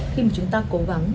khi mà chúng ta cố gắng